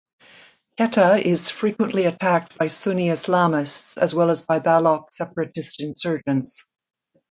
Quetta is frequently attacked by Sunni Islamists as well as by Baloch separatist insurgents.